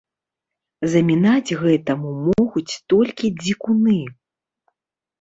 Замінаць гэтаму могуць толькі дзікуны.